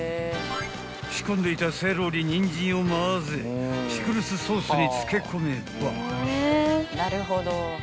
［仕込んでいたセロリニンジンをまぜピクルスソースに漬け込めば］